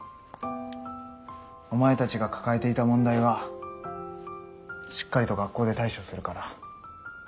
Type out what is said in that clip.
お前たちが抱えていた問題はしっかりと学校で対処するから。